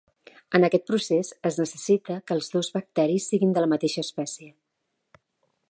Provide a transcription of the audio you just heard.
En aquest procés es necessita que els dos bacteris siguin de la mateixa espècie.